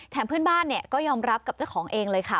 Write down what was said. เพื่อนบ้านก็ยอมรับกับเจ้าของเองเลยค่ะ